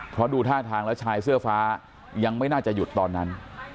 เพราะดูท่าทางแล้วชายเสื้อฟ้ายังไม่น่าจะหยุดตอนนั้น